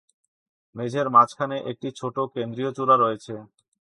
মেঝের মাঝখানে একটি ছোট কেন্দ্রীয় চূড়া রয়েছে।